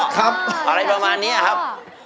อ๋อครับ